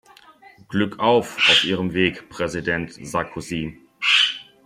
Glückauf auf Ihrem Weg, Präsident Sarkozy.